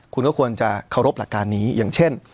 คุณก็ควรจะเคารพหลักการนี้อย่างเช่น